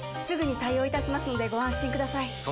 すぐに対応いたしますのでご安心ください